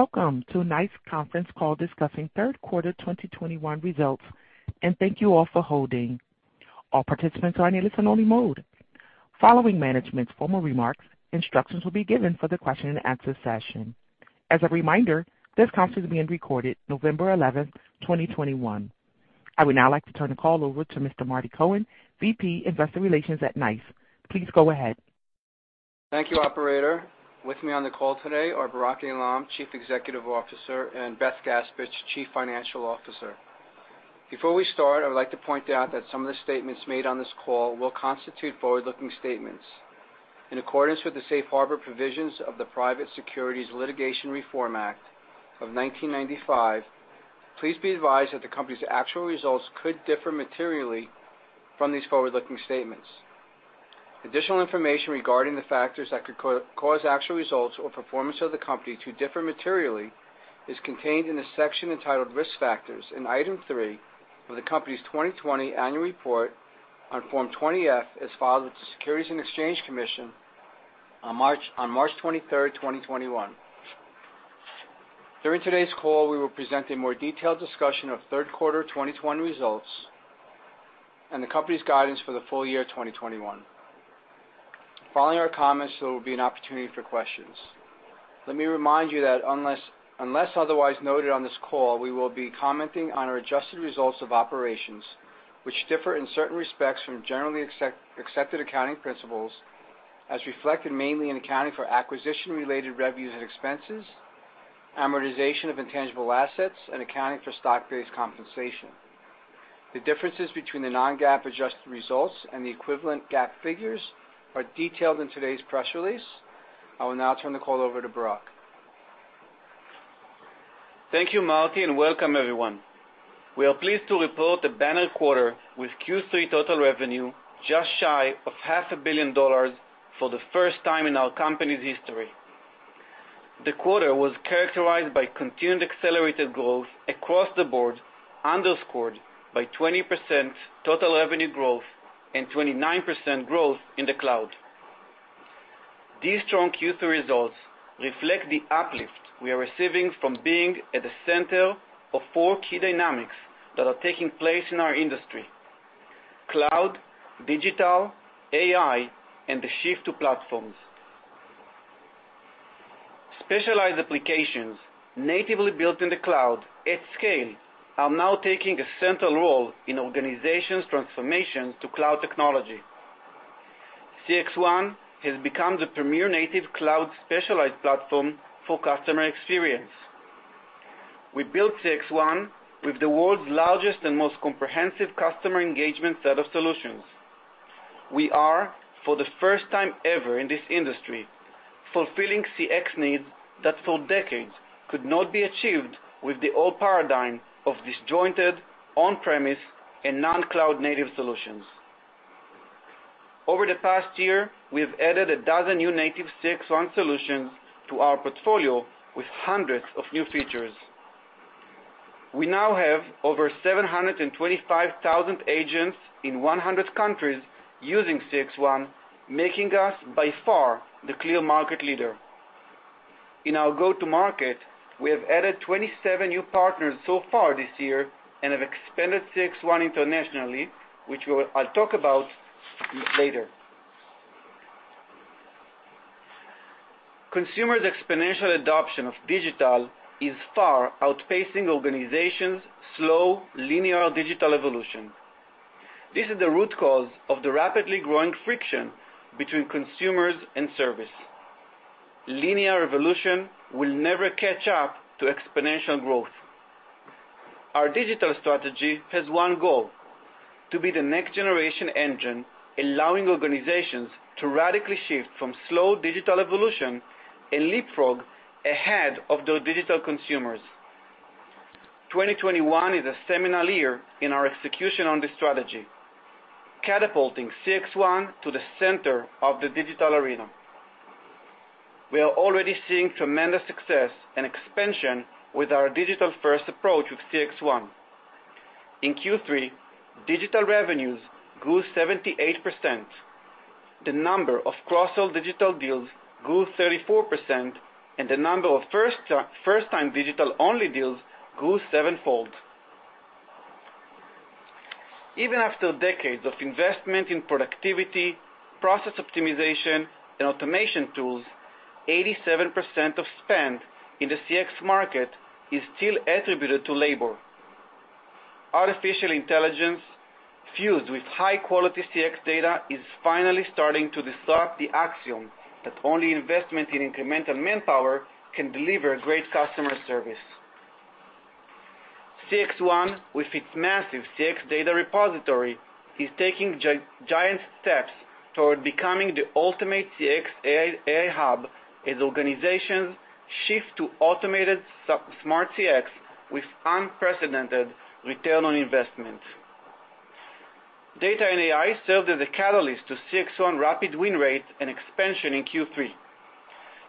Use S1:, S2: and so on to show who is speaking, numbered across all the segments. S1: Welcome to NICE conference call discussing third quarter 2021 results and thank you all for holding. All participants are in a listen-only mode. Following management's formal remarks, instructions will be given for the question-and-answer session. As a reminder, this call is being recorded November 11, 2021. I would now like to turn the call over to Mr. Marty Cohen, VP, Investor Relations at NICE. Please go ahead.
S2: Thank you, operator. With me on the call today are Barak Eilam, Chief Executive Officer, and Beth Gaspich, Chief Financial Officer. Before we start, I would like to point out that some of the statements made on this call will constitute forward-looking statements. In accordance with the Safe Harbor provisions of the Private Securities Litigation Reform Act of 1995, please be advised that the company's actual results could differ materially from these forward-looking statements. Additional information regarding the factors that could cause actual results or performance of the company to differ materially is contained in the section entitled Risk Factors in Item 3 of the company's 2020 Annual Report on Form 20-F, as filed with the Securities and Exchange Commission on March 23, 2021. During today's call, we will present a more detailed discussion of Q3 2021 results and the company's guidance for the full year 2021. Following our comments, there will be an opportunity for questions. Let me remind you that unless otherwise noted on this call, we will be commenting on our adjusted results of operations, which differ in certain respects from generally accepted accounting principles, as reflected mainly in accounting for acquisition-related revenues and expenses, amortization of intangible assets, and accounting for stock-based compensation. The differences between the non-GAAP adjusted results and the equivalent GAAP figures are detailed in today's press release. I will now turn the call over to Barak.
S3: Thank you, Marty, and welcome everyone. We are pleased to report a banner quarter with Q3 total revenue just shy of $500 million for the first time in our company's history. The quarter was characterized by continued accelerated growth across the board, underscored by 20% total revenue growth and 29% growth in the Cloud. These strong Q3 results reflect the uplift we are receiving from being at the center of four key dynamics that are taking place in our industry, Cloud, Digital, AI, and the Shift to Platforms. Specialized applications natively built in the Cloud at scale are now taking a central role in organizations' transformations to Cloud technology. CXone has become the premier native Cloud specialized platform for customer experience. We built CXone with the world's largest and most comprehensive customer engagement set of solutions. We are, for the first time ever in this industry, fulfilling CX needs that for decades could not be achieved with the old paradigm of disjointed, on-premise, and non-Cloud native solutions. Over the past year, we have added a dozen new native CXone solutions to our portfolio with hundreds of new features. We now have over 725,000 agents in 100 countries using CXone, making us by far the clear market leader. In our go-to-market, we have added 27 new partners so far this year and have expanded CXone internationally, which I'll talk about later. Consumers' exponential adoption of Digital is far outpacing organizations' slow, linear Digital evolution. This is the root cause of the rapidly growing friction between consumers and service. Linear evolution will never catch up to exponential growth. Our Digital strategy has one goal, to be the next-generation engine, allowing organizations to radically shift from slow Digital evolution and leapfrog ahead of those Digital consumers. 2021 is a seminal year in our execution on this strategy, catapulting CXone to the center of the Digital arena. We are already seeing tremendous success and expansion with our Digital-first approach with CXone. In Q3, Digital revenues grew 78%. The number of cross-sell Digital deals grew 34%, and the number of first time Digital-only deals grew sevenfold. Even after decades of investment in productivity, process optimization, and automation tools, 87% of spend in the CX market is still attributed to labour. Artificial intelligence fused with high-quality CX data is finally starting to disrupt the axiom that only investment in incremental manpower can deliver great customer service. CXone, with its massive CX data repository, is taking giant steps toward becoming the ultimate CX AI hub as organizations shift to automated smart CX with unprecedented return on investment. Data and AI served as a catalyst to CXone rapid win rate and expansion in Q3.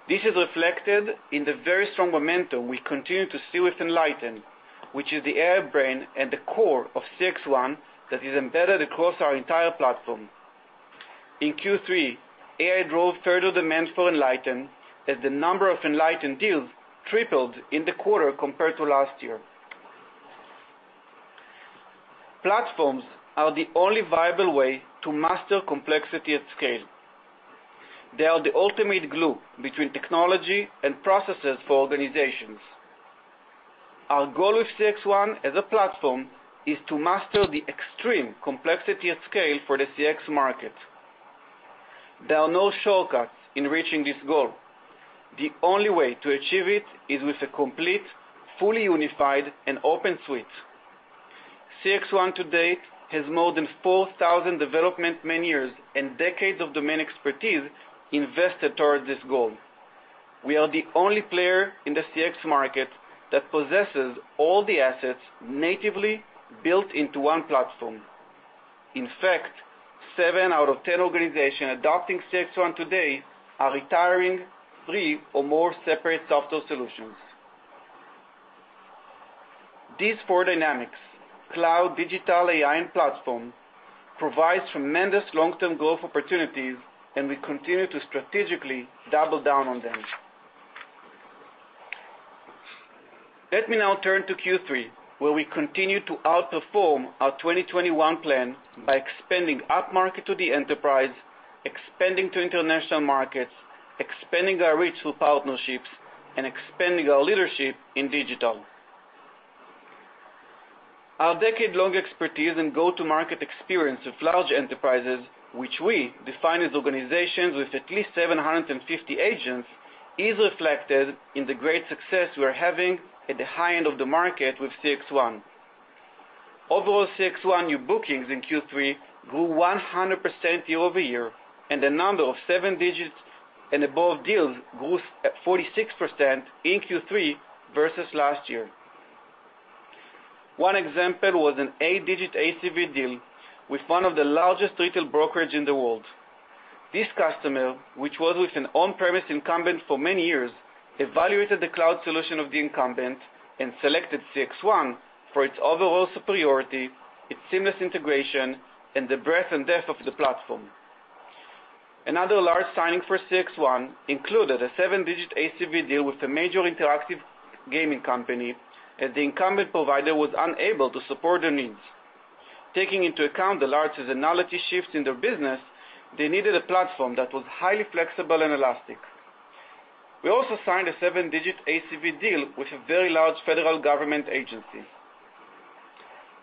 S3: This is reflected in the very strong momentum we continue to see with Enlighten, which is the AI brain and the core of CXone that is embedded across our entire platform. In Q3, AI drove further demand for Enlighten, as the number of Enlighten deals tripled in the quarter compared to last year. Platforms are the only viable way to master complexity at scale. They are the ultimate glue between technology and processes for organizations. Our goal with CXone as a platform is to master the extreme complexity of scale for the CX market. There are no shortcuts in reaching this goal. The only way to achieve it is with a complete, fully unified and open suite. CXone to date has more than 4,000 development man years and decades of domain expertise invested towards this goal. We are the only player in the CX market that possesses all the assets natively built into one platform. In fact, seven out of 10 organizations adopting CXone today are retiring three or more separate software solutions. These four dynamics, Cloud, Digital, AI, and Platform, provides tremendous long-term growth opportunities, and we continue to strategically double down on them. Let me now turn to Q3, where we continued to outperform our 2021 plan by expanding upmarket to the enterprise, expanding to international markets, expanding our reach through partnerships, and expanding our leadership in Digital. Our decade-long expertise and go-to-market experience with large enterprises, which we define as organizations with at least 750 agents, is reflected in the great success we are having at the high end of the market with CXone. Overall CXone new bookings in Q3 grew 100% year-over-year, and the number of seven-digit and above deals grew at 46% in Q3 versus last year. One example was an eight-digit ACV deal with one of the largest retail brokerage in the world. This customer, which was with an on-premises incumbent for many years, evaluated the Cloud solution of the incumbent and selected CXone for its overall superiority, its seamless integration, and the breadth and depth of the platform. Another large signing for CXone included a seven-digit ACV deal with a major interactive gaming company, as the incumbent provider was unable to support their needs. Taking into account the large seasonality shifts in their business, they needed a platform that was highly flexible and elastic. We also signed a seven-digit ACV deal with a very large federal government agency.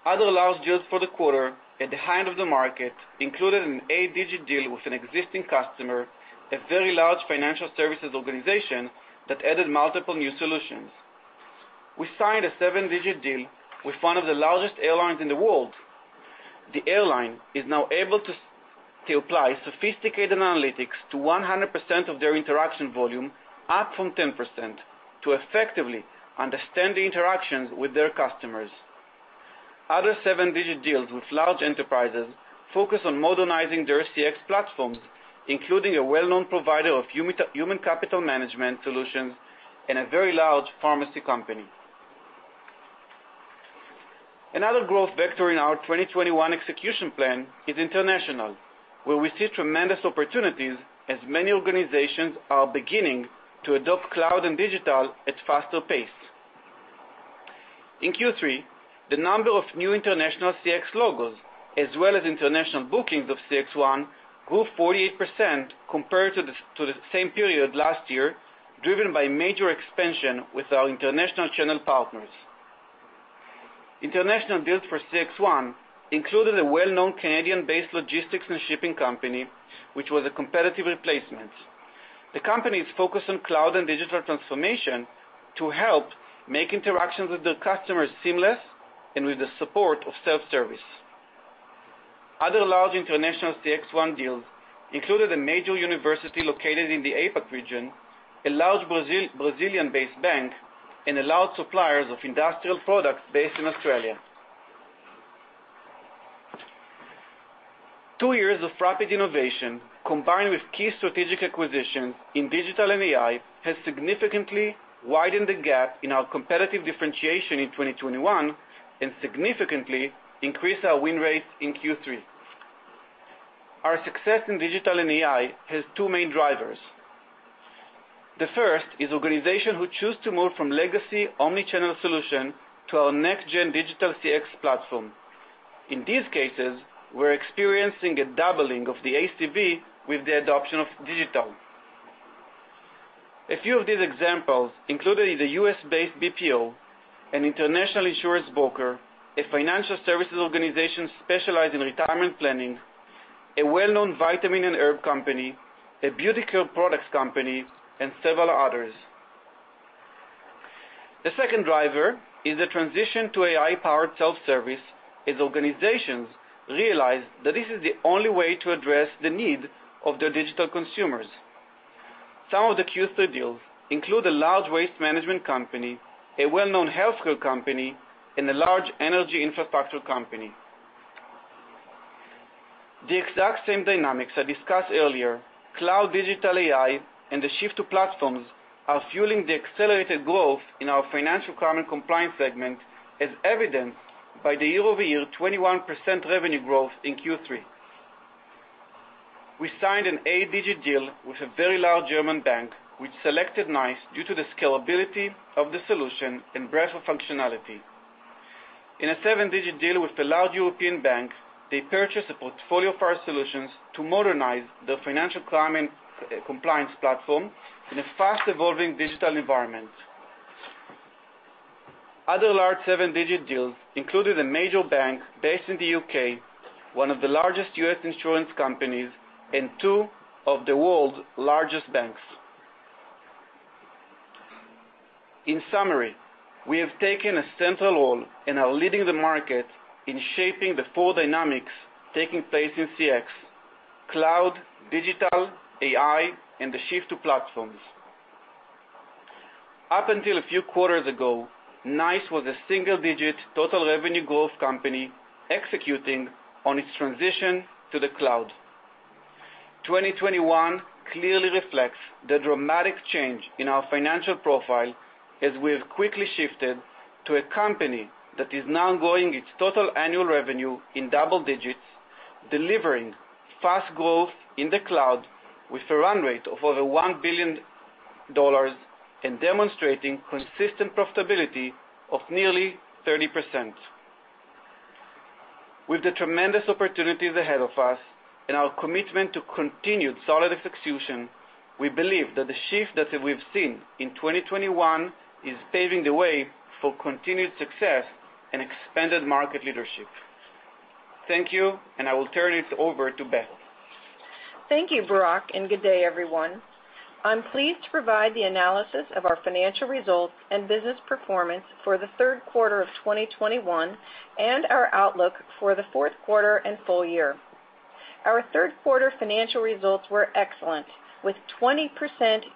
S3: Other large deals for the quarter at the high end of the market included an eight-digit deal with an existing customer, a very large financial services organization that added multiple new solutions. We signed a seven-digit deal with one of the largest airlines in the world. The airline is now able to to apply sophisticated analytics to 100% of their interaction volume, up from 10%, to effectively understand the interactions with their customers. Other seven-digit deals with large enterprises focus on modernizing their CX platforms, including a well-known provider of human capital management solutions and a very large pharmacy company. Another growth vector in our 2021 execution plan is international, where we see tremendous opportunities as many organizations are beginning to adopt Cloud and Digital at faster pace. In Q3, the number of new international CX logos, as well as international bookings of CXone, grew 48% compared to the same period last year, driven by major expansion with our international channel partners. International deals for CXone included a well-known Canadian-based logistics and shipping company, which was a competitive replacement. The company is focused on Cloud and Digital transformation to help make interactions with their customers seamless and with the support of self-service. Other large international CXone deals included a major university located in the APAC region, a large Brazilian-based bank, and a large supplier of industrial products based in Australia. Two years of rapid innovation, combined with key strategic acquisitions in Digital and AI, has significantly widened the gap in our competitive differentiation in 2021 and significantly increased our win rates in Q3. Our success in Digital and AI has two main drivers. The first is organizations who choose to move from legacy omni-channel solution to our next gen Digital CX platform. In these cases, we're experiencing a doubling of the ACV with the adoption of Digital. A few of these examples included the U.S.-based BPO, an international insurance broker, a financial services organization specialized in retirement planning, a well-known vitamin and herb company, a beauty care products company, and several others. The second driver is the transition to AI-powered self-service, as organizations realize that this is the only way to address the need of their Digital consumers. Some of the Q3 deals include a large waste management company, a well-known healthcare company, and a large energy infrastructure company. The exact same dynamics I discussed earlier, Cloud, Digital AI, and the shift to platforms, are fueling the accelerated growth in our financial crime and compliance segment, as evidenced by the year-over-year 21% revenue growth in Q3. We signed an eight-digit deal with a very large German bank, which selected NICE due to the scalability of the solution and breadth of functionality. In a seven-digit deal with a large European bank, they purchased a portfolio of our solutions to modernize their financial crime and compliance platform in a fast-evolving Digital environment. Other large seven-digit deals included a major bank based in the U.K., one of the largest U.S. insurance companies, and two of the world's largest banks. In summary, we have taken a central role and are leading the market in shaping the four dynamics taking place in CX, Cloud, Digital, AI, and the Shift to Platforms. Up until a few quarters ago, NICE was a single-digit total revenue growth company executing on its transition to the Cloud. 2021 clearly reflects the dramatic change in our financial profile as we have quickly shifted to a company that is now growing its total annual revenue in double digits, delivering fast growth in the Cloud with a run rate of over $1 billion and demonstrating consistent profitability of nearly 30%. With the tremendous opportunities ahead of us and our commitment to continued solid execution, we believe that the shift that we've seen in 2021 is paving the way for continued success and expanded market leadership. Thank you, and I will turn it over to Beth.
S4: Thank you, Barak, and good day, everyone. I'm pleased to provide the analysis of our financial results and business performance for the third quarter of 2021 and our outlook for the fourth quarter and full year. Our third quarter financial results were excellent, with 20%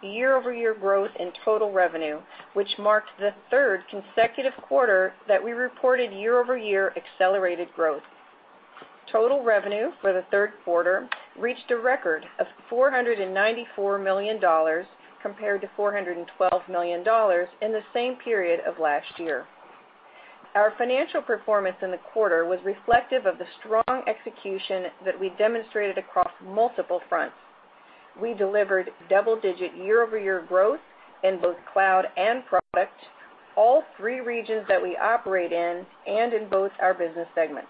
S4: year-over-year growth in total revenue, which marked the third consecutive quarter that we reported year-over-year accelerated growth. Total revenue for the third quarter reached a record of $494 million compared to $412 million in the same period of last year. Our financial performance in the quarter was reflective of the strong execution that we demonstrated across multiple fronts. We delivered double-digit year-over-year growth in both Cloud and product, all three regions that we operate in, and in both our business segments.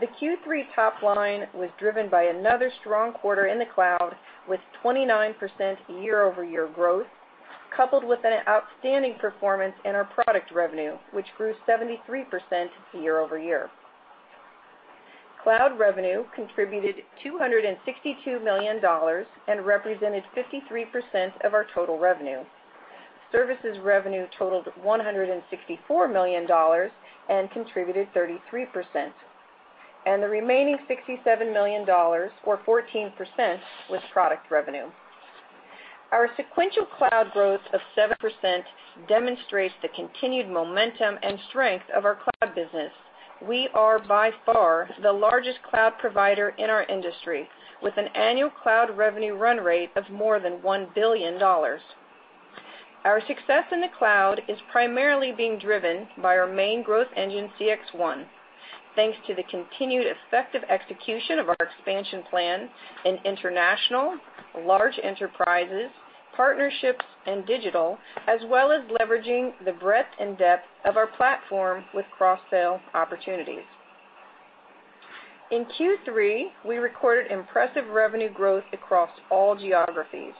S4: The Q3 top line was driven by another strong quarter in the Cloud with 29% year-over-year growth, coupled with an outstanding performance in our product revenue, which grew 73% year-over-year. Cloud revenue contributed $262 million and represented 53% of our total revenue. Services revenue totaled $164 million and contributed 33%. The remaining $67 million, or 14%, was product revenue. Our sequential Cloud growth of 7% demonstrates the continued momentum and strength of our Cloud business. We are by far the largest Cloud provider in our industry, with an annual Cloud revenue run rate of more than $1 billion. Our success in the Cloud is primarily being driven by our main growth engine, CXone, thanks to the continued effective execution of our expansion plan in international, large enterprises, partnerships, and Digital, as well as leveraging the breadth and depth of our platform with cross-sale opportunities. In Q3, we recorded impressive revenue growth across all geographies.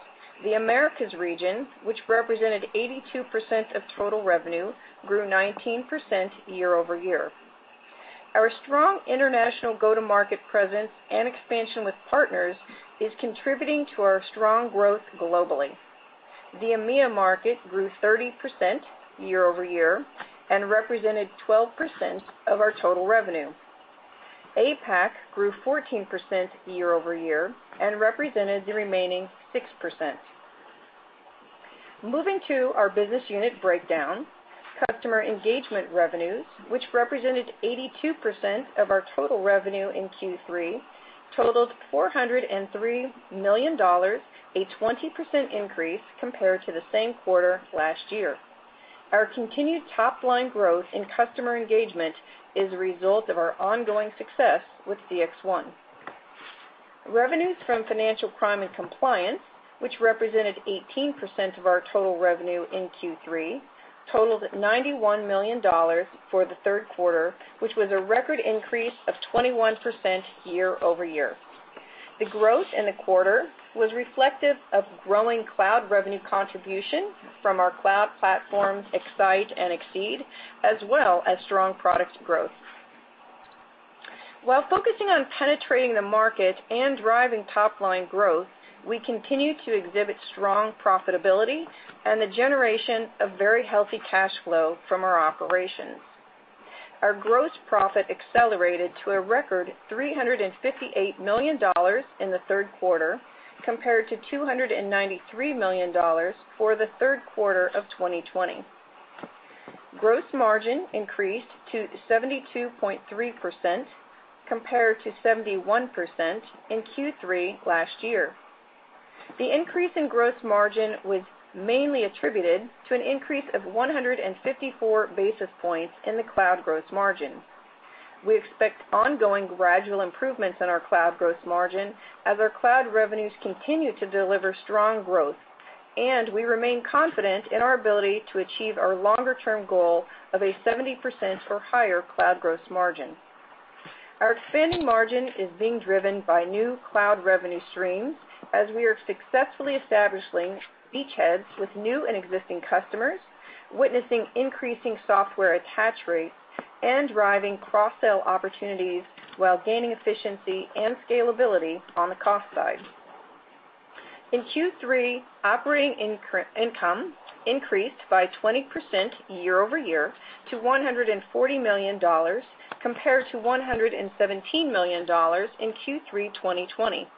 S4: The Americas region, which represented 82% of total revenue, grew 19% year-over-year. Our strong international go-to-market presence and expansion with partners is contributing to our strong growth globally. The EMEA market grew 30% year-over-year and represented 12% of our total revenue. APAC grew 14% year-over-year and represented the remaining 6%. Moving to our business unit breakdown, customer engagement revenues, which represented 82% of our total revenue in Q3, totaled $403 million, a 20% increase compared to the same quarter last year. Our continued top-line growth in customer engagement is a result of our ongoing success with CXone. Revenues from financial crime and compliance, which represented 18% of our total revenue in Q3, totaled $91 million for the third quarter, which was a record increase of 21% year-over-year. The growth in the quarter was reflective of growing Cloud revenue contribution from our Cloud platforms, X-Sight and Xceed, as well as strong product growth. While focusing on penetrating the market and driving top-line growth, we continue to exhibit strong profitability and the generation of very healthy cash flow from our operations. Our gross profit accelerated to a record $358 million in the third quarter compared to $293 million for the third quarter of 2020. Gross margin increased to 72.3% compared to 71% in Q3 last year. The increase in gross margin was mainly attributed to an increase of 154 basis points in the Cloud gross margin. We expect ongoing gradual improvements in our Cloud gross margin as our Cloud revenues continue to deliver strong growth, and we remain confident in our ability to achieve our longer-term goal of a 70% or higher Cloud gross margin. Our expanding margin is being driven by new Cloud revenue streams as we are successfully establishing beachheads with new and existing customers, witnessing increasing software attach rates and driving cross-sell opportunities while gaining efficiency and scalability on the cost side. In Q3, operating income increased by 20% year-over-year to $140 million compared to $117 million in Q3 2020.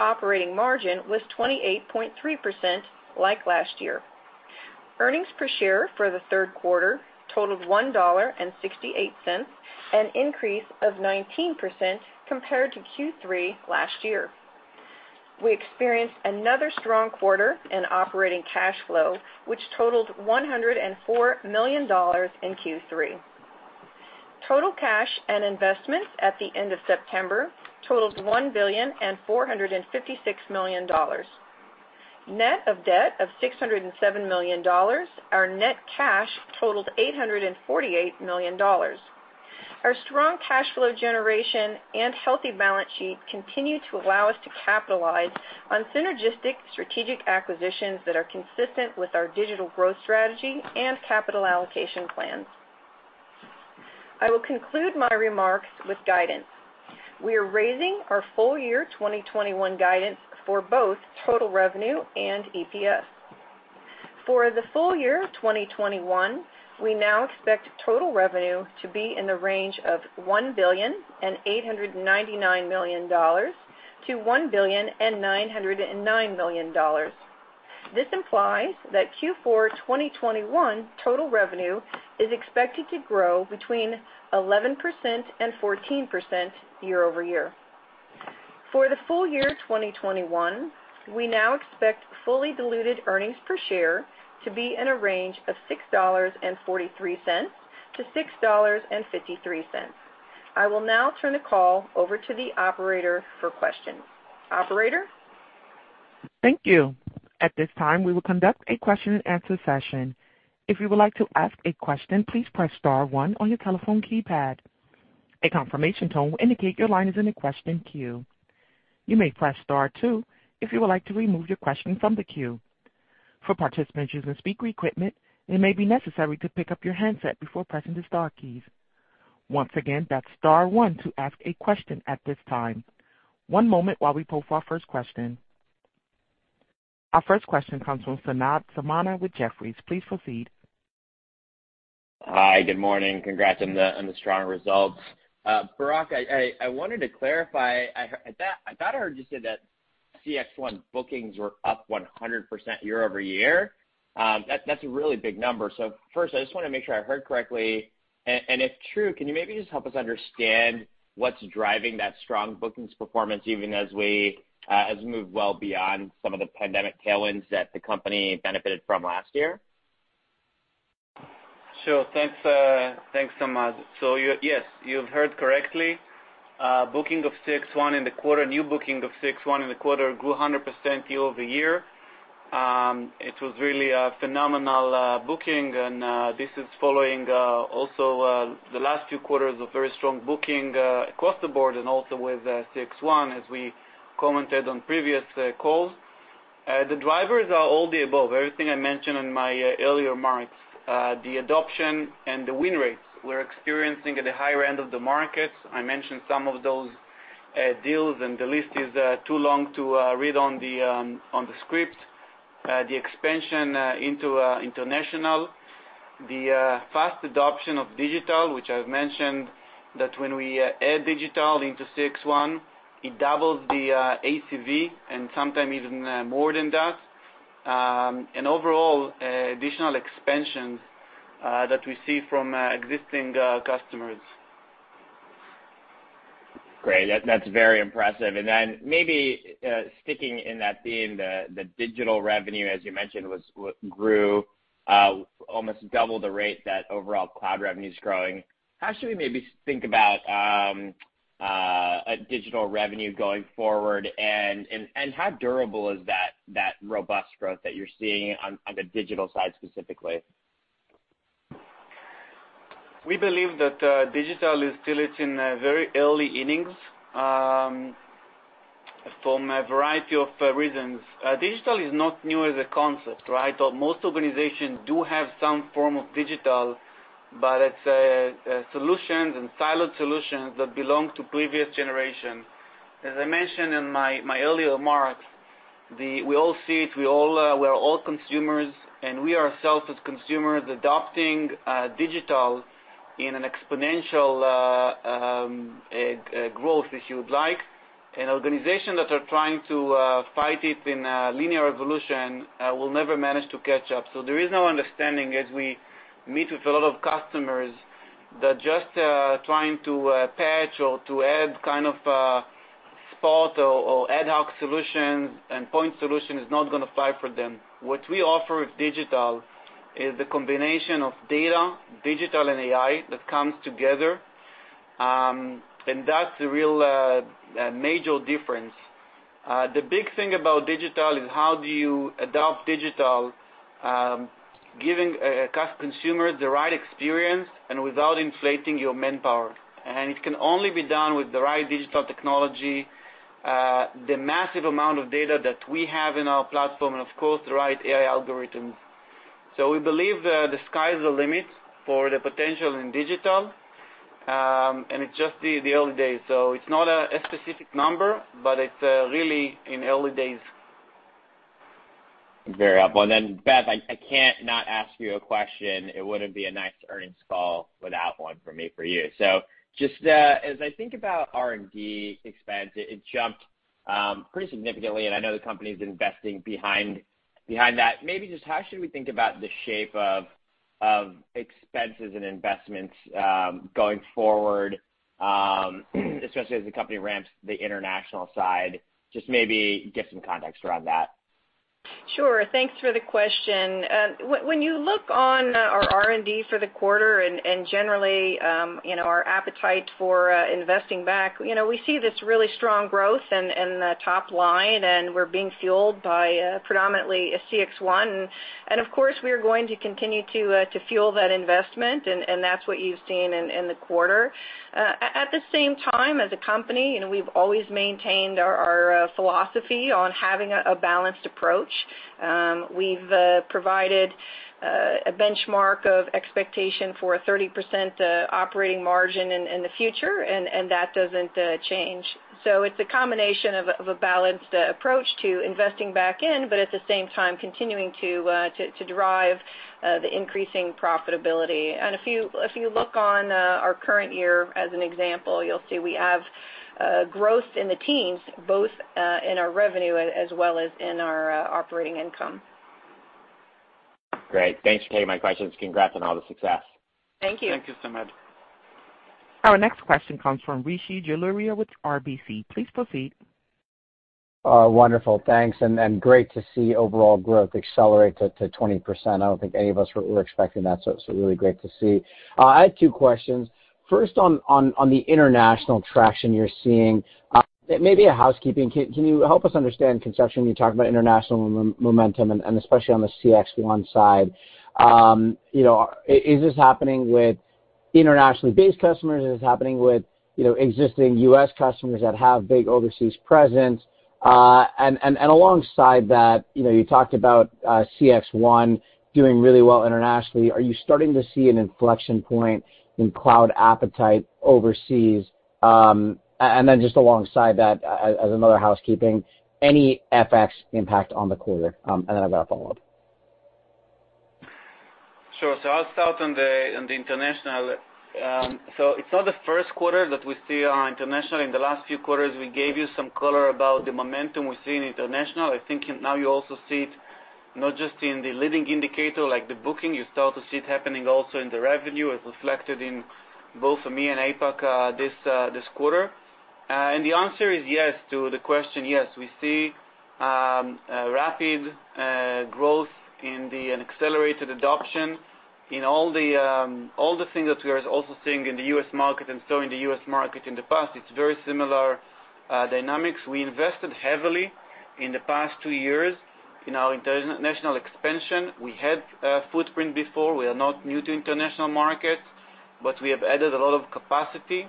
S4: Operating margin was 28.3% like last year. Earnings Per Share for the third quarter totaled $1.68, an increase of 19% compared to Q3 last year. We experienced another strong quarter in operating cash flow, which totaled $104 million in Q3. Total cash and investments at the end of September totaled $1.456 billion. Net of debt of $607 million, our net cash totaled $848 million. Our strong cash flow generation and healthy balance sheet continue to allow us to capitalize on synergistic strategic acquisitions that are consistent with our Digital growth strategy and capital allocation plans. I will conclude my remarks with guidance. We are raising our full-year 2021 guidance for both total revenue and EPS. For the full-year 2021, we now expect total revenue to be in the range of $1.899 billion-$1.909 billion. This implies that Q4 2021 total revenue is expected to grow between 11%-14% year-over-year. For the full-year 2021, we now expect fully diluted Earnings Per Share to be in a range of $6.43-$6.53. I will now turn the call over to the operator for questions. Operator?
S1: Thank you. At this time, we will conduct a question-and-answer session. If you would like to ask a question, please press star one on your telephone keypad. A confirmation tone will indicate your line is in a question queue. You may press star two if you would like to remove your question from the queue. For participants using speaker equipment, it may be necessary to pick up your handset before pressing the star keys. Once again, that's star one to ask a question at this time. One moment while we poll for our first question. Our first question comes from Samad Samana with Jefferies. Please proceed.
S5: Hi, good morning. Congrats on the strong results. Barak, I wanted to clarify. I thought I heard you say that CXone bookings were up 100% year-over-year. That's a really big number. First, I just wanna make sure I heard correctly. If true, can you maybe just help us understand what's driving that strong bookings performance even as we move well beyond some of the pandemic tailwinds that the company benefited from last year?
S3: Sure. Thanks, Samad. So yes, you've heard correctly. Booking of CXone in the quarter, new booking of CXone in the quarter grew 100% year-over-year. It was really a phenomenal booking. This is following also the last two quarters of very strong booking across the board and also with CXone, as we commented on previous calls. The drivers are all the above, everything I mentioned in my earlier remarks. The adoption and the win rates we're experiencing at the higher end of the market. I mentioned some of those deals, and the list is too long to read on the script. The expansion into international, the fast adoption of Digital, which I've mentioned that when we add Digital into CXone, it doubles the ACV and sometimes even more than that. Overall additional expansions that we see from existing customers.
S5: Great. That's very impressive. Maybe sticking in that theme, the Digital revenue, as you mentioned, grew almost double the rate that overall Cloud revenue is growing. How should we maybe think about the Digital revenue going forward and how durable is that robust growth that you're seeing on the Digital side specifically?
S3: We believe that Digital is still it's in very early innings from a variety of reasons. Digital is not new as a concept, right? Most organizations do have some form of Digital, but it's solutions and siloed solutions that belong to previous generation. As I mentioned in my earlier remarks, we all see it, we are all consumers, and we ourselves as consumers adopting Digital in an exponential growth, if you would like. An organization that are trying to fight it in a linear evolution will never manage to catch up. There is no understanding as we meet with a lot of customers that just trying to patch or to add kind of spot or ad hoc solutions and point solution is not gonna fly for them. What we offer with Digital is the combination of data, Digital, and AI that comes together. That's the real major difference. The big thing about Digital is how do you adopt Digital giving a consumer the right experience and without inflating your manpower. It can only be done with the right Digital technology the massive amount of data that we have in our platform, and of course, the right AI algorithms. We believe the sky's the limit for the potential in Digital, and it's just the early days. It's not a specific number, but it's really in early days.
S5: Very helpful. Beth, I can't not ask you a question. It wouldn't be a nice earnings call without one from me for you. Just as I think about R&D expense, it jumped pretty significantly, and I know the company's investing behind that. Maybe just how should we think about the shape of expenses and investments going forward, especially as the company ramps the international side? Just maybe give some context around that.
S4: Sure. Thanks for the question. When you look on our R&D for the quarter and generally, you know, our appetite for investing back, you know, we see this really strong growth in the top line, and we're being fueled by predominantly CXone. Of course, we are going to continue to fuel that investment and that's what you've seen in the quarter. At the same time, as a company, you know, we've always maintained our philosophy on having a balanced approach. We've provided a benchmark of expectation for a 30% operating margin in the future, and that doesn't change. It's a combination of a balanced approach to investing back in, but at the same time, continuing to drive the increasing profitability. If you look on our current year as an example, you'll see we have growth in the teens, both in our revenue as well as in our operating income.
S5: Great. Thanks for taking my questions. Congrats on all the success.
S4: Thank you.
S3: Thank you so much.
S1: Our next question comes from Rishi Jaluria with RBC. Please proceed.
S6: Wonderful. Thanks and great to see overall growth accelerate to 20%. I don't think any of us were expecting that, so it's really great to see. I have two questions. First, on the international traction you're seeing, it may be a housekeeping. Can you help us understand constituents when you talk about international momentum, and especially on the CXone side? You know, is this happening with internationally based customers? Is this happening with, you know, existing U.S. customers that have big overseas presence? Alongside that, you know, you talked about CXone doing really well internationally. Are you starting to see an inflection point in Cloud appetite overseas? Then just alongside that, as another housekeeping, any FX impact on the quarter? Then I've got a follow-up.
S3: Sure. I'll start on the international. It's not the first quarter that we see our international. In the last few quarters, we gave you some color about the momentum we're seeing international. I think now you also see it not just in the leading indicator like the booking. You start to see it happening also in the revenue. It's reflected in both EMEA and APAC this quarter. The answer is yes to the question. Yes, we see rapid growth in an accelerated adoption in all the things that we are also seeing in the U.S. market and saw in the U.S. market in the past. It's very similar dynamics. We invested heavily in the past two years in our international expansion. We had a footprint before. We are not new to international markets, but we have added a lot of capacity,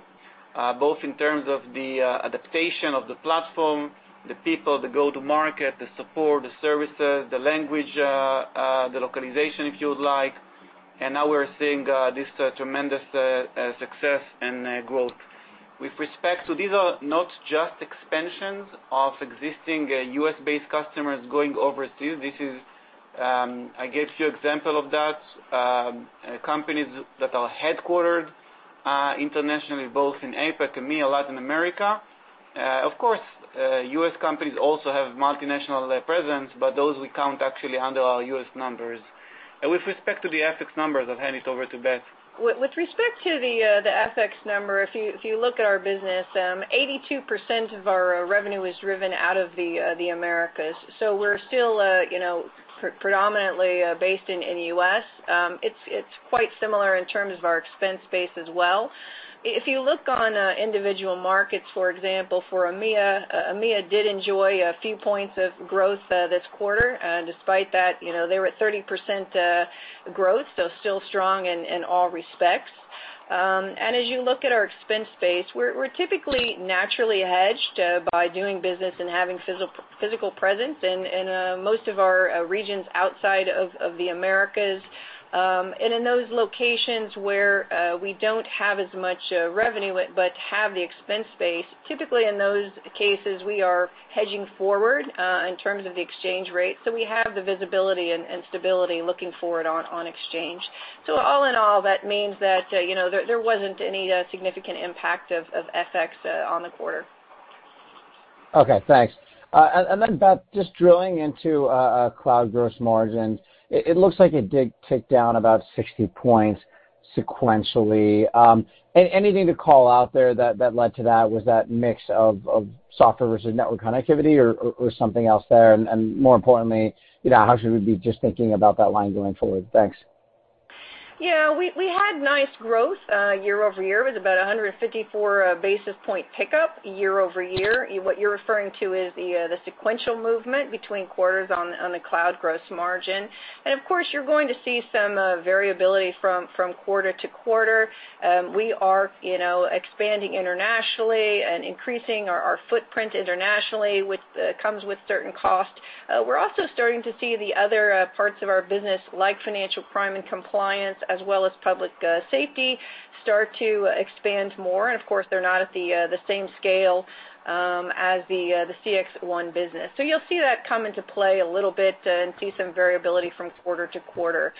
S3: both in terms of the adaptation of the platform, the people, the go-to-market, the support, the services, the language, the localization, if you would like. Now we're seeing this tremendous success and growth. With respect to these are not just expansions of existing U.S.-based customers going overseas. I gave few example of that. Companies that are headquartered internationally, both in APAC, EMEA, Latin America. Of course, U.S. companies also have multinational presence, but those we count actually under our U.S. numbers. With respect to the FX numbers, I'll hand it over to Beth.
S4: With respect to the FX number, if you look at our business, 82% of our revenue is driven out of the Americas. We're still, you know, predominantly based in the U.S. It's quite similar in terms of our expense base as well. If you look on individual markets, for example, for EMEA did enjoy a few points of growth this quarter. Despite that, you know, they were at 30% growth, so still strong in all respects. As you look at our expense base, we're typically naturally hedged by doing business and having physical presence in most of our regions outside of the Americas. In those locations where we don't have as much revenue but have the expense base, typically in those cases, we are hedging forward in terms of the exchange rate. We have the visibility and stability looking forward on exchange. All in all, that means that you know there wasn't any significant impact of FX on the quarter.
S6: Okay, thanks. Then Beth, just drilling into Cloud gross margin, it looks like it did tick down about 60 points sequentially. Anything to call out there that led to that? Was that mix of software versus network connectivity or something else there? More importantly, you know, how should we be just thinking about that line going forward? Thanks.
S4: Yeah. We had nice growth year-over-year. It was about 154 basis point pickup year-over-year. What you're referring to is the sequential movement between quarters on the Cloud gross margin. Of course, you're going to see some variability from quarter-to-quarter. We are, you know, expanding internationally and increasing our footprint internationally, which comes with certain costs. We're also starting to see the other parts of our business, like financial crime and compliance, as well as public safety start to expand more. Of course, they're not at the same scale as the CXone business. You'll see that come into play a little bit and see some variability from quarter-to-quarter.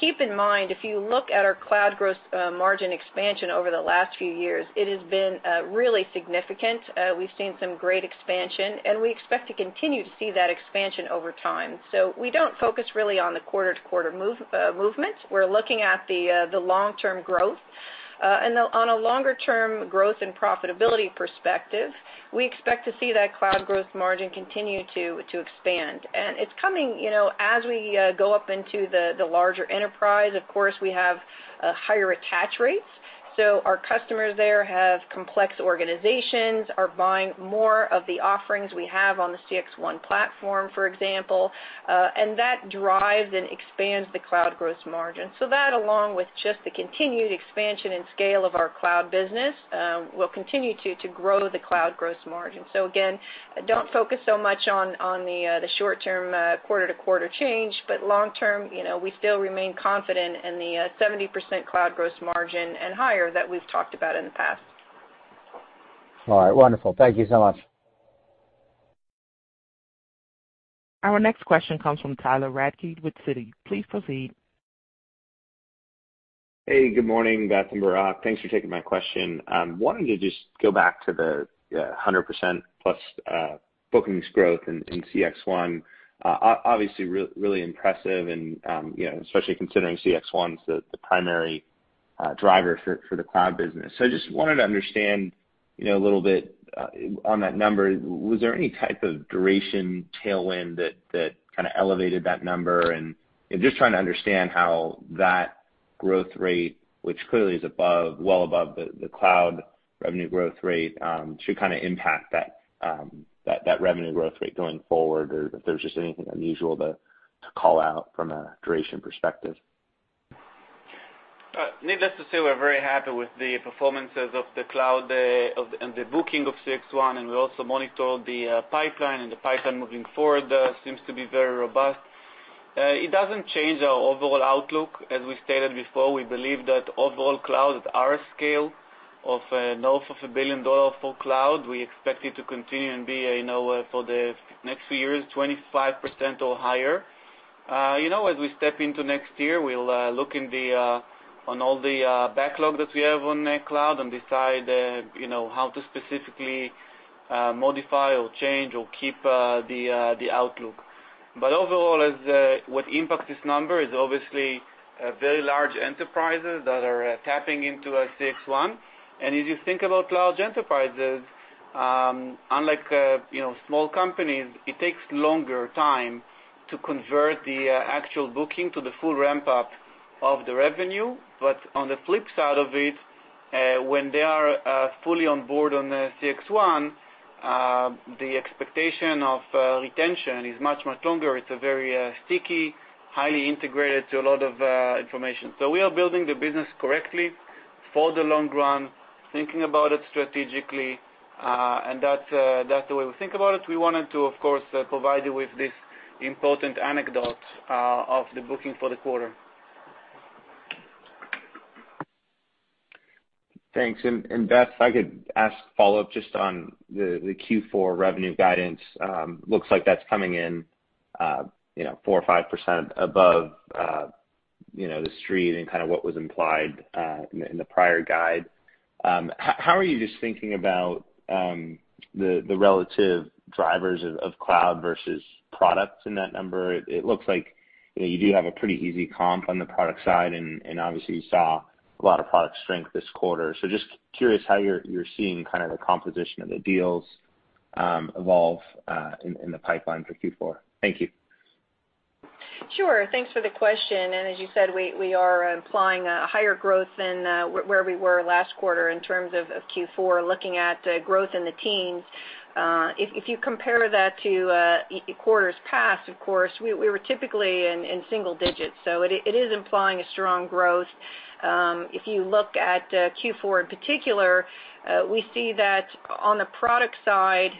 S4: Keep in mind, if you look at our Cloud gross margin expansion over the last few years, it has been really significant. We've seen some great expansion, and we expect to continue to see that expansion over time. We don't focus really on the quarter-to-quarter move, movement. We're looking at the long-term growth. On a longer-term growth and profitability perspective, we expect to see that Cloud gross margin continue to expand. It's coming, you know, as we go up into the larger enterprise, of course, we have higher attach rates. Our customers there have complex organizations, are buying more of the offerings we have on the CXone platform, for example, and that drives and expands the Cloud gross margin. that along with just the continued expansion and scale of our Cloud business, will continue to grow the Cloud gross margin. Again, don't focus so much on the short term, quarter-to-quarter change, but long term, you know, we still remain confident in the 70% Cloud gross margin and higher that we've talked about in the past.
S6: All right. Wonderful. Thank you so much.
S1: Our next question comes from Tyler Radke with Citi. Please proceed.
S7: Hey, good morning, Beth Gaspich and Barak Eilam. Thanks for taking my question. Wanted to just go back to the 100% plus bookings growth in CXone. Obviously really impressive and, you know, especially considering CXone's the primary driver for the Cloud business. I just wanted to understand, you know, a little bit on that number. Was there any type of duration tailwind that kind of elevated that number? Just trying to understand how that growth rate, which clearly is above, well above the Cloud revenue growth rate, should kind of impact that revenue growth rate going forward, or if there's just anything unusual to call out from a duration perspective.
S3: Needless to say, we're very happy with the performances of the Cloud and the booking of CXone, and we also monitor the pipeline, and the pipeline moving forward seems to be very robust. It doesn't change our overall outlook. As we stated before, we believe that overall Cloud at our scale of north of $1 billion for Cloud, we expect it to continue and be, you know, for the next few years, 25% or higher. You know, as we step into next year, we'll look in on all the backlog that we have on Cloud and decide, you know, how to specifically modify or change or keep the outlook. Overall, what impacts this number is obviously very large enterprises that are tapping into CXone. If you think about large enterprises, unlike, you know, small companies, it takes longer time to convert the actual booking to the full ramp up of the revenue. On the flip side of it, when they are fully on board on the CXone, the expectation of retention is much, much longer. It's a very sticky, highly integrated to a lot of information. We are building the business correctly for the long run, thinking about it strategically, and that's the way we think about it. We wanted to, of course, provide you with this important anecdote of the booking for the quarter.
S7: Thanks. Beth, if I could ask follow-up just on the Q4 revenue guidance. It looks like that's coming in 4% or 5% above you know the street and kind of what was implied in the prior guide. How are you just thinking about the relative drivers of Cloud versus products in that number? It looks like you know you do have a pretty easy comp on the product side, and obviously you saw a lot of product strength this quarter. Just curious how you're seeing kind of the composition of the deals evolve in the pipeline for Q4. Thank you.
S4: Sure. Thanks for the question. As you said, we are implying a higher growth than where we were last quarter in terms of Q4, looking at growth in the teens. If you compare that to quarters past, of course, we were typically in single digits, so it is implying a strong growth. If you look at Q4 in particular, we see that on the product side,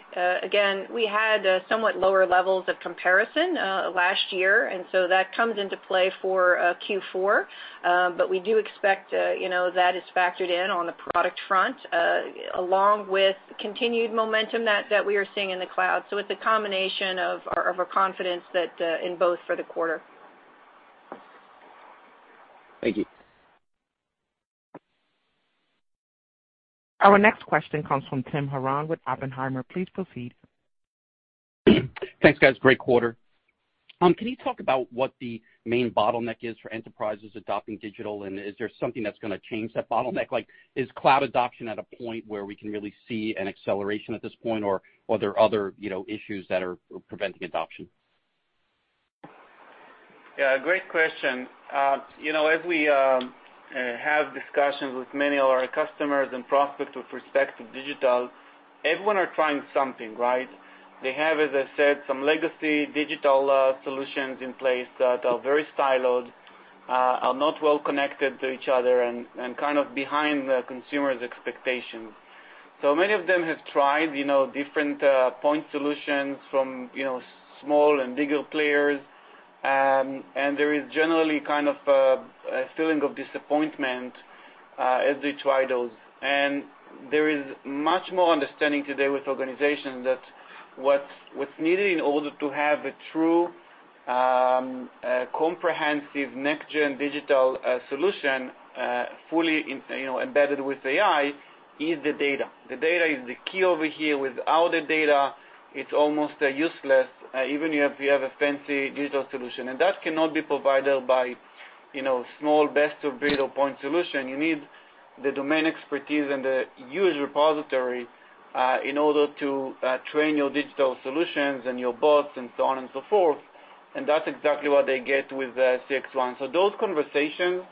S4: again, we had somewhat lower levels of comparison last year, and so that comes into play for Q4. We do expect, you know, that is factored in on the product front along with continued momentum that we are seeing in the Cloud. It's a combination of our confidence that in both for the quarter.
S7: Thank you.
S1: Our next question comes from Timothy Horan with Oppenheimer. Please proceed.
S8: Thanks, guys. Great quarter. Can you talk about what the main bottleneck is for enterprises adopting Digital? Is there something that's gonna change that bottleneck? Like, is Cloud adoption at a point where we can really see an acceleration at this point, or are there other, you know, issues that are preventing adoption?
S3: Yeah, great question. You know, as we have discussions with many of our customers and prospects with respect to Digital, everyone are trying something, right? They have, as I said, some legacy Digital solutions in place that are very siloed, are not well connected to each other and kind of behind the consumer's expectations. Many of them have tried, you know, different point solutions from, you know, small and bigger players. There is generally kind of a feeling of disappointment as they try those. There is much more understanding today with organizations that what's needed in order to have a true comprehensive next-gen Digital solution fully integrated, you know, embedded with AI, is the data. The data is the key over here. Without the data, it's almost useless, even if you have a fancy Digital solution. That cannot be provided by, you know, small best of breed or point solution. You need the domain expertise and the huge repository in order to train your Digital solutions and your bots and so on and so forth. That's exactly what they get with CXone. Those conversations,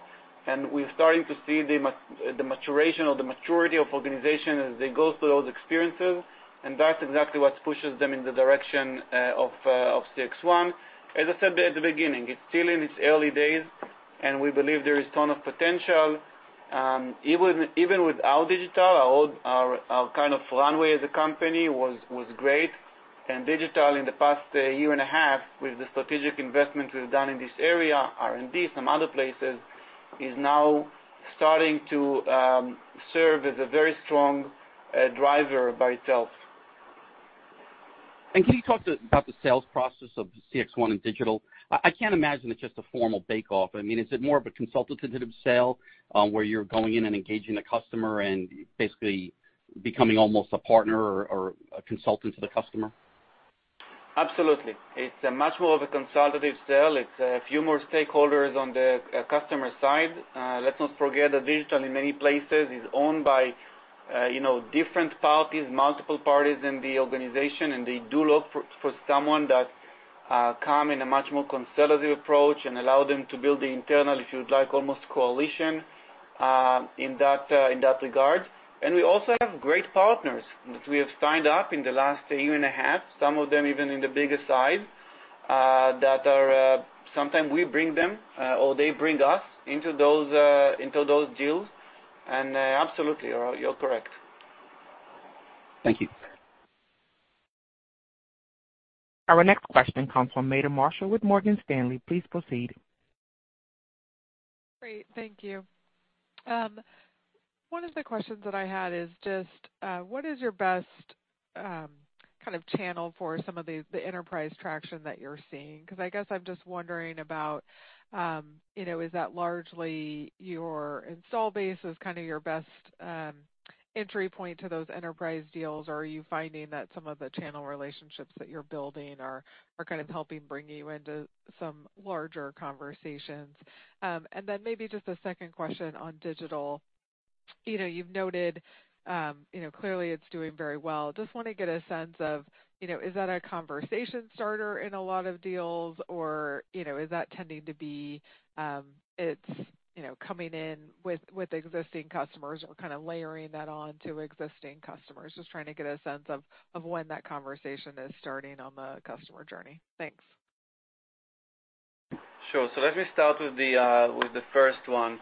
S3: and we're starting to see the maturation or the maturity of organizations as they go through those experiences, and that's exactly what pushes them in the direction of CXone. As I said there at the beginning, it's still in its early days, and we believe there is a ton of potential. Even without Digital, our whole kind of runway as a company was great. Digital in the past year and a half, with the strategic investments we've done in this area, R&D, some other places, is now starting to serve as a very strong driver by itself.
S8: Can you talk about the sales process of CXone and Digital? I can't imagine it's just a formal bake-off. I mean, is it more of a consultative sale, where you're going in and engaging the customer and basically becoming almost a partner or a consultant to the customer?
S3: Absolutely. It's much more of a consultative sale. It's a few more stakeholders on the customer side. Let's not forget that Digital in many places is owned by you know, different parties, multiple parties in the organization, and they do look for someone that come in a much more consultative approach and allow them to build the internal, if you like, almost coalition in that regard. We also have great partners that we have signed up in the last year and a half, some of them even in the bigger side, that are sometimes we bring them or they bring us into those deals. Absolutely, you're correct.
S8: Thank you.
S1: Our next question comes from Meta Marshall with Morgan Stanley. Please proceed.
S9: Great. Thank you. One of the questions that I had is just, what is your best, kind of channel for some of the enterprise traction that you're seeing? Because I guess I'm just wondering about, you know, is that largely your install base is kinda your best entry point to those enterprise deals? Or are you finding that some of the channel relationships that you're building are kind of helping bring you into some larger conversations? Then maybe just a second question on Digital. You know, you've noted, you know, clearly it's doing very well. Just wanna get a sense of, you know, is that a conversation starter in a lot of deals or, you know, is that tending to be, it's, you know, coming in with existing customers or kinda layering that on to existing customers? Just trying to get a sense of when that conversation is starting on the customer journey. Thanks.
S3: Sure. Let me start with the first one.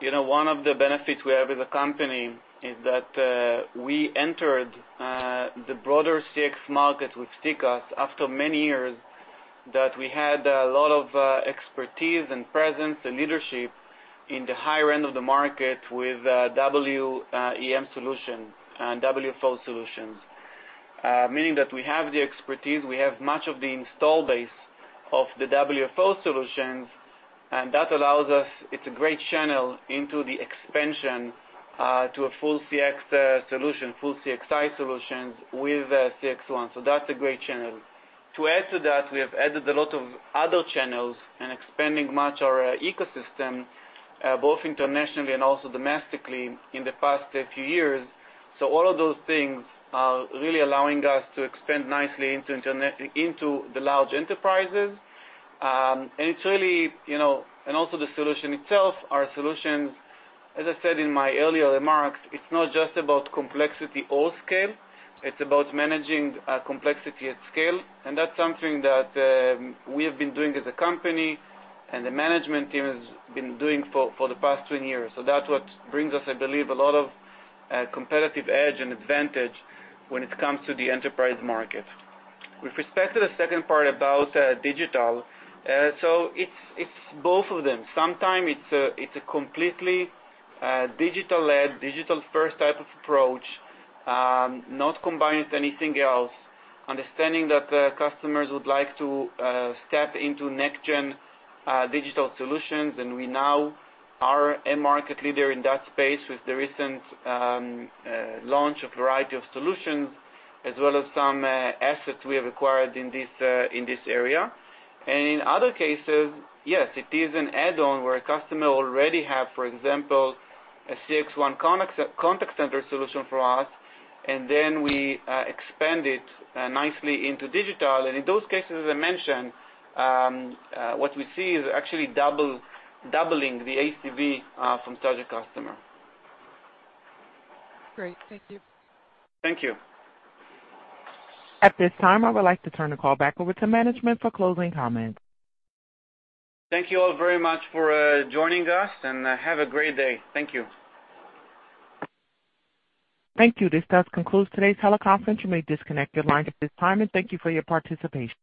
S3: You know, one of the benefits we have as a company is that we entered the broader CX market with CXone after many years that we had a lot of expertise and presence and leadership in the higher end of the market with WEM solution and WFO solutions. Meaning that we have the expertise, we have much of the installed base of the WFO solutions, and that allows us. It's a great channel into the expansion to a full CX solution, full CX solutions with CXone. That's a great channel. To add to that, we have added a lot of other channels and expanding much our ecosystem both internationally and also domestically in the past few years. All of those things are really allowing us to expand nicely into the large enterprises. It's really, you know, and also the solution itself. Our solutions, as I said in my earlier remarks, it's not just about complexity or scale, it's about managing complexity at scale. That's something that we have been doing as a company and the management team has been doing for the past 20 years. That's what brings us, I believe, a lot of competitive edge and advantage when it comes to the enterprise market. With respect to the second part about Digital, it's both of them. Sometimes it's a completely Digital-led, Digital-first type of approach, not combined with anything else. Understanding that customers would like to step into next-gen Digital solutions. We now are a market leader in that space with the recent launch of a variety of solutions, as well as some assets we have acquired in this area. In other cases, yes, it is an add-on where a customer already have, for example, a CXone contact center solution for us, and then we expand it nicely into Digital. In those cases, as I mentioned, what we see is actually doubling the ACV from such a customer.
S9: Great. Thank you.
S3: Thank you.
S1: At this time, I would like to turn the call back over to management for closing comments.
S3: Thank you all very much for joining us and have a great day. Thank you.
S1: Thank you. This does conclude today's teleconference. You may disconnect your lines at this time. Thank you for your participation.